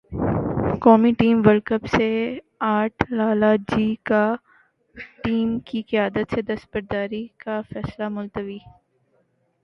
قومی team world cup سے اٹ لالہ جی کا ٹیم کی قیادت سے دستبرداری کا فیصلہ ملتوی